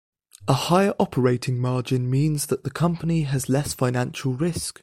A higher operating margin means that the company has less financial risk.